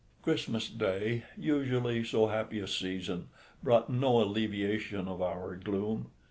Christmas Day, usually so happy a season, brought no alleviation of our gloom.